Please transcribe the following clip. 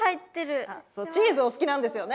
チーズお好きなんですよね？